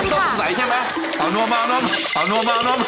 ต้องสงสัยใช่มั้ยเอานักโครดมา